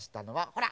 ほら！